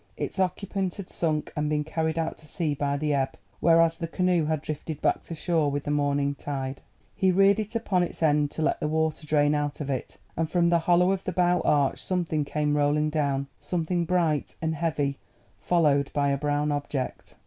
Its occupant had sunk and been carried out to sea by the ebb, whereas the canoe had drifted back to shore with the morning tide. He reared it upon its end to let the water drain out of it, and from the hollow of the bow arch something came rolling down, something bright and heavy, followed by a brown object.